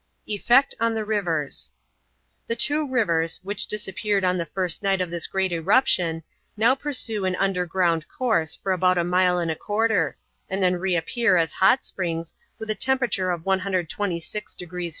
EFFECT ON THE RIVERS The two rivers, which disappeared on the first night of this great eruption, now pursue an underground course for about a mile and a quarter, and then reappear as hot springs, with a temperature of 126 degrees F.